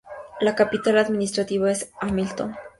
La capital administrativa es Hamilton.